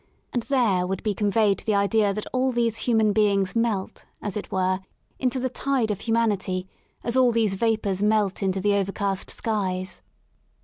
And there would be conveyed the idea that all these human beings melt, as it were, into the tide of humanity as all these vapours melt into the overcast skies.